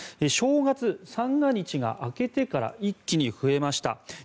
正月三が日が明けてから一気に増えました。